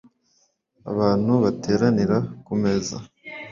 Abantu bateranira ku meza.